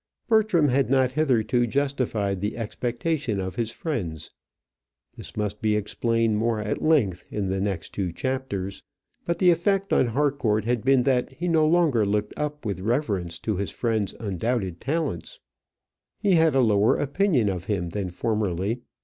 Bertram had not hitherto justified the expectation of his friends. This must be explained more at length in the next two chapters; but the effect on Harcourt had been that he no longer looked up with reverence to his friend's undoubted talents. He had a lower opinion of him than formerly.